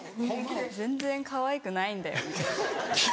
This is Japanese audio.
「全然かわいくないんだよ」みたいな。